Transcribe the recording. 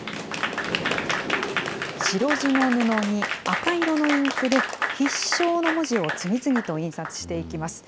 白地の布に赤色のインクで、必勝の文字を次々と印刷していきます。